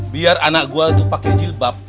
biar anak gue itu pakai jilbab